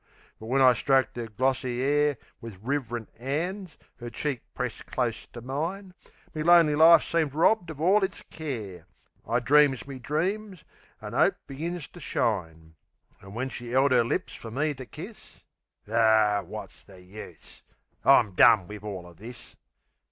But when I stroked 'er glossy 'air Wiv rev'rint 'ands, 'er cheek pressed close to mine, Me lonely life seemed robbed of all its care; I dreams me dreams, an' 'ope begun to shine. An' when she 'eld 'er lips fer me to kiss... Ar, wot's the use? I'm done wiv all o' this!